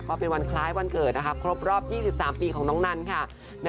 ก็เป็นวันคล้ายวันเกิดครบรอบ๒๓ปีของน้องนันครับ